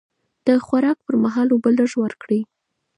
د خوراک پر مهال اوبه لږ ورکړئ.